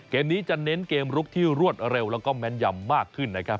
เกมนี้จะเน้นเกมลุกที่รวดเร็วแล้วก็แม่นยำมากขึ้นนะครับ